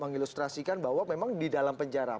mengilustrasikan bahwa memang di dalam penjara